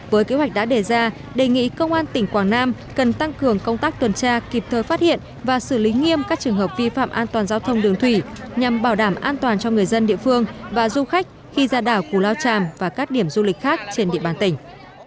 với kế hoạch đã đề ra đề nghị công an tỉnh quảng nam cần tăng cường công tác tuần tra kịp thời phát hiện và xử lý nghiêm các trường hợp vi phạm an toàn giao thông đường thủy nhằm bảo đảm an toàn cho người dân địa phương và du khách khi ra đảo cù lao tràm và các điểm du lịch khác trên địa bàn tỉnh